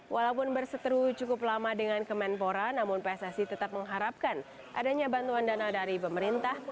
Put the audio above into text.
walaupun berseteru cukup lama dengan kemenpora namun pssi tetap mengharapkan adanya bantuan dana dari pemerintah